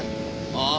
ああ。